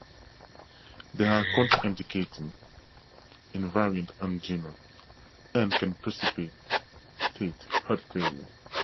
They are contraindicated in variant angina and can precipitate heart failure.